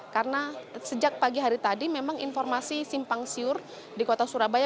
karena sejak pagi hari tadi memang informasi simpang siur di kota surabaya